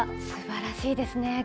すばらしいですね。